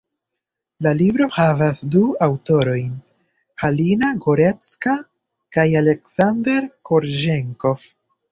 La libro havas du aŭtorojn, Halina Gorecka kaj Aleksander Korĵenkov.